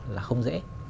là không dễ